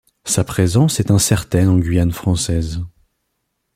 Sa présence est incertaine en Guyane française.